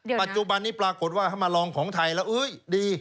เดี๋ยวนะปัจจุบันนี่ปรากฏว่าเขามาลองของไทยแล้ว